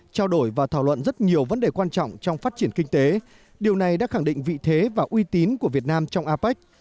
trao đổi và thảo luận rất nhiều vấn đề quan trọng trong phát triển kinh tế điều này đã khẳng định vị thế và uy tín của việt nam trong apec